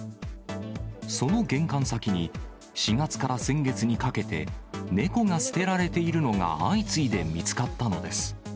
その玄関先に、４月から先月にかけて、猫が捨てられているのが相次いで見つかったのです。